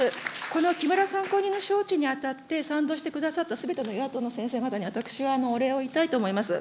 この木村参考人の招致にあたって、賛同してくださったすべての野党の先生方に、私はお礼を言いたいと思います。